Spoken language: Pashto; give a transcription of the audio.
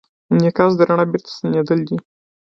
انعکاس د رڼا بېرته ستنېدل دي.